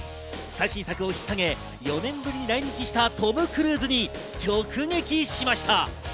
最新作をひっさげ４年ぶりに来日したトム・クルーズに直撃しました。